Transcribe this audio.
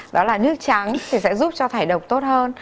đó là nước trắng thì sẽ giúp cho thải độc tốt hơn